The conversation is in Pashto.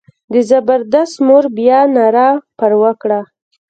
د زبردست مور بیا ناره پر وکړه.